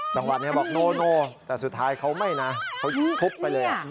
จังหวัดนี้บอกโนแต่สุดท้ายเขาไม่นะเขาทุบไปเลย